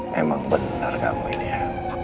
memang benar kamu ini ya